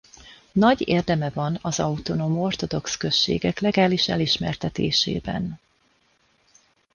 Nagy érdeme van az autonóm ortodox községek legális elismertetésében.